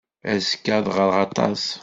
Azekka ad ɣreɣ aṭas.